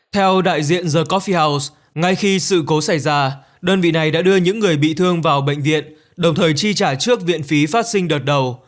theo đại diện the coffi house ngay khi sự cố xảy ra đơn vị này đã đưa những người bị thương vào bệnh viện đồng thời chi trả trước viện phí phát sinh đợt đầu